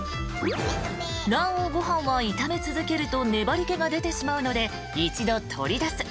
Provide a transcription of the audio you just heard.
［卵黄ご飯は炒め続けると粘り気が出てしまうので一度取り出す］